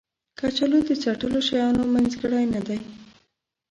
کچالو د څټلو شیانو منځګړی نه دی